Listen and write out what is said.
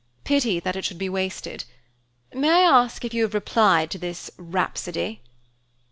Pity that it should be wasted. May I ask if you have replied to this rhapsody?"